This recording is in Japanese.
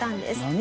何？